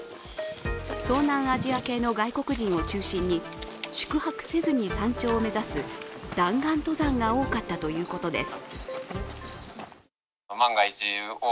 東南アジア系の外国人を中心に宿泊せずに山頂を目指す弾丸登山が多かったということです。